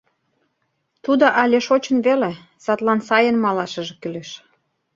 — Тудо але шочын веле, садлан сайын малашыже кӱлеш».